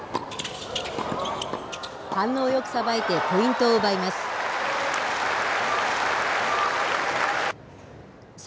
反応よくさばいてポイントを奪います。